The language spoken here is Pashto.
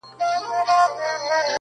پکښي تېر مي کړل تر سلو زیات کلونه-